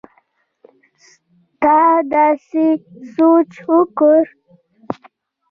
ته داسې سوچ وکړه